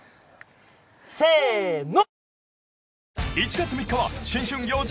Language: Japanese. せの。